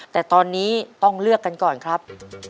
แต่ตอนนี้ต้องเลือกกันก่อนครับ